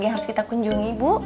harga yang harus kita kunjungi bu